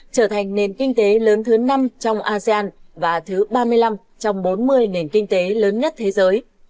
trở thành nền kinh tế lớn thứ năm trong asean và thứ ba mươi năm trong bốn mươi nền kinh tế lớn nhất thế giới